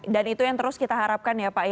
dan itu yang terus kita harapkan ya pak